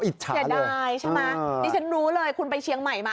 อิจฉาเลยใช่ไหมนี่ฉันรู้เลยคุณไปเชียงใหม่มา